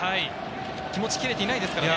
気持ち切れていないですからね。